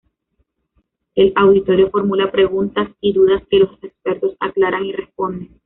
El auditorio formula preguntas y dudas que los expertos aclaran y responden.